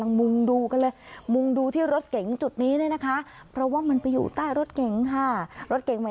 รับตอนดีมาก็ดีเจ้านี่ก็ไม่สามารถถูกพิรชางงรับ